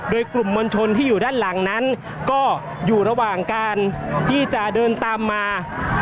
โดยกลุ่มมวลชนที่อยู่ด้านหลังนั้นก็อยู่ระหว่างการที่จะเดินตามมา